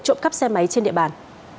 trộm cắp xe máy trên địa bàn